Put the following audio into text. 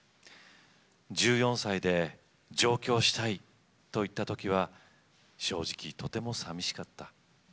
１４歳で「上京したい」と言ったときは正直、とてもさみしかった。